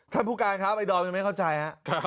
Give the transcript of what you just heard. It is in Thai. ผู้การครับไอดอมยังไม่เข้าใจครับ